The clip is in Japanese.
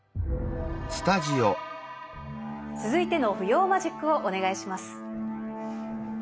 続いての浮揚マジックをお願いします。